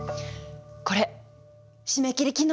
これ締め切り昨日。